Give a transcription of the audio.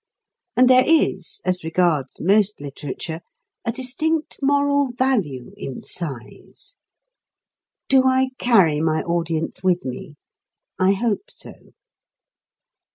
And there is, as regards most literature, a distinct moral value in size. Do I carry my audience with me? I hope so.